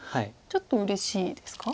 ちょっとうれしいですか？